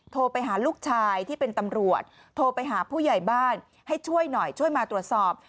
โทรไปหาลูกชายที่เป็นตำรวจโทรไปหาผู้ใหญ่บ้านให้ช่วยหน่อยช่วยมาตรวจสอบ